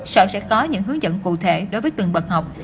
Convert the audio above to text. sở sẽ có những hướng dẫn cụ thể đối với từng bậc học